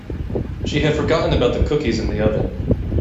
She had forgotten about the cookies in the oven.